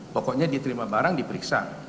pokoknya diterima barang diperiksa